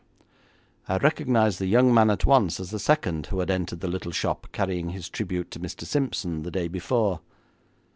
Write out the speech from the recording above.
I recognised the young man at once as the second who had entered the little shop carrying his tribute to Mr. Simpson the day before.